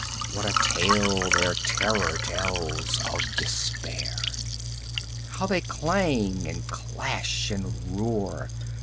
What a tale their terror tells Of Despair! How they clang, and clash, and roar!